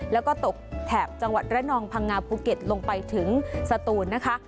แล้วก็ตกแถบจังหวัดระนองพังงาภูเก็ตลงไปถึงสตูนนะคะ